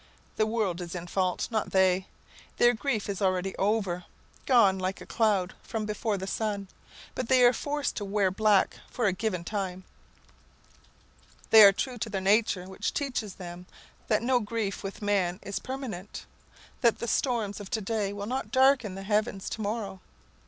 The world is in fault, not they. Their grief is already over, gone like a cloud from before the sun; but they are forced to wear black for a given time. They are true to their nature, which teaches them that "no grief with man is permanent," that the storms of to day will not darken the heavens to morrow.